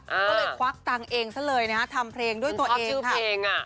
ก็เลยควักตังเองสักเลยนะฮะทำเพลงด้วยตัวเองค่ะชั้นชอบชื่อเพลง